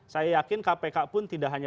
saya yakin kpk pun tidak hanya